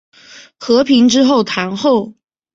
和平之后堂后。